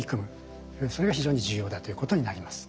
それが非常に重要だということになります。